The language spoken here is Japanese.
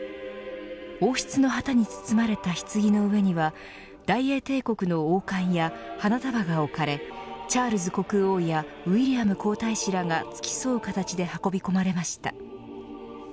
王室の旗に包まれたひつぎの上には大英帝国の王冠や花束が置かれ、チャールズ国王やウィリアム皇太子らが付き添う形で運び込まれました。